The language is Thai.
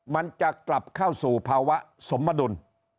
มันจะกลับเข้าสู่ภาวะสมดุล